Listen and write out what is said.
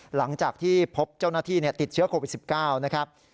หลังจากที่พบเจ้าหน้าที่ติดเชื้อโควิด๑๙นะครับ